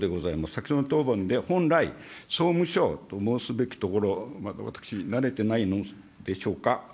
先ほどの答弁で本来、総務省と申すべきところを、私、慣れてないのでしょうか。